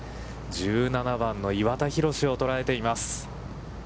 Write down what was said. １７番の岩田寛を捉えています。